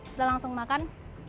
sudah langsung makan